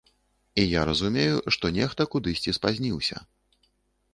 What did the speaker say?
І я разумею, што нехта кудысьці спазніўся.